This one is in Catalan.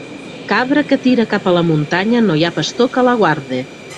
Cabra que tira cap a la muntanya, no hi ha pastor que la guarde.